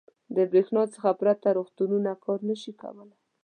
• د برېښنا څخه پرته روغتونونه کار نه شي کولی.